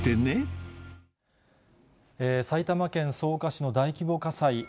埼玉県草加市の大規模火災。